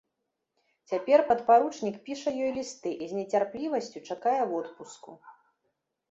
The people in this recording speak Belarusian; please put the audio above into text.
Цяпер падпаручнік піша ёй лісты і з нецярплівасцю чакае водпуску.